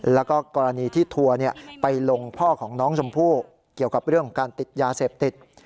แล้วก็กรณีที่ทัวร์ไปลงพ่อของน้องชมพู่เกี่ยวกับเรื่องของการติดยาเสพติด